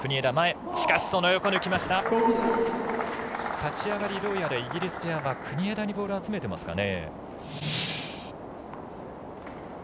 立ち上がり、イギリスペアは国枝にボールを集めてますかね。